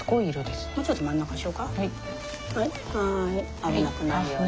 危なくないように。